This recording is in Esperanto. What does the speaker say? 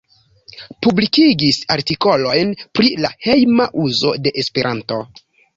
Publikigis artikolojn pri la hejma uzo de Esperanto.